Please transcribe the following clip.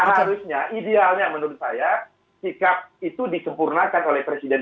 harusnya idealnya menurut saya sikap itu disempurnakan oleh presiden